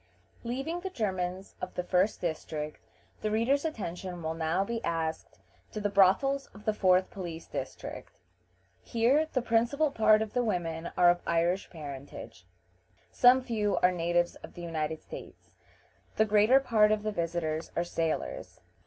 Leaving the Germans of the first district, the reader's attention will now be asked to the brothels of the fourth police district. Here the principal part of the women are of Irish parentage; some few are natives of the United States. The greater part of the visitors are sailors.